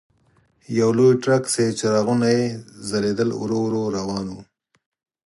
یو لوی ټرک چې څراغونه یې ځلېدل ورو ورو روان و.